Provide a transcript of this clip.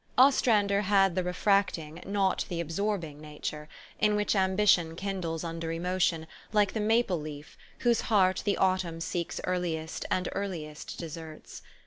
Ostrander had the refracting, not the absorbing nature, in which ambition kindles under emotion, like the maple leaf, whose heart the autumn seeks earliest, and earh'est deserts.